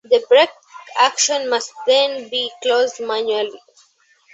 The break action must then be closed manually.